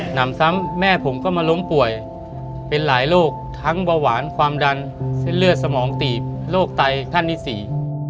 นำซ้ำแม่ผมก็มาล้มป่วยเป็นหลายโรคทั้งเบาหวานความดันเส้นเลือดสมองตีบโรคไตท่านที่สี่